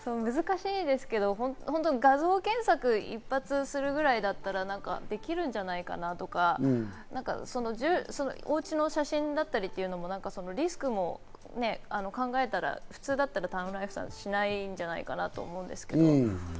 難しいですけど、画像検索一発するくらいだったらできるんじゃないかなぁとか、お家の写真だったりというのもリスクを考えたら、普通だったらタウンライフさんはしないんじゃないかなと思いますけど。